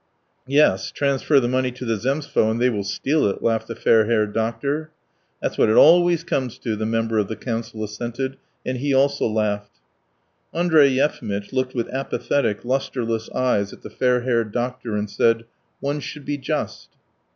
"Yes, transfer the money to the Zemstvo and they will steal it," laughed the fair haired doctor. "That's what it always comes to," the member of the council assented, and he also laughed. Andrey Yefimitch looked with apathetic, lustreless eyes at the fair haired doctor and said: "One should be just."